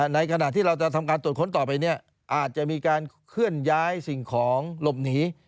ในขณะที่เราจะทำการตรวจค้นต่อไปเนี่ยอาจจะมีการเคลื่อนย้ายสิ่งของหลบหนี